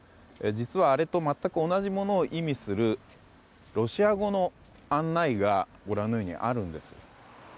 実は、あれと全く同じものを意味するロシア語の案内がご覧のようにあるんです。